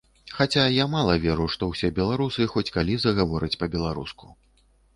Хаця, я мала веру, што ўсе беларусы хоць калі загавораць па-беларуску.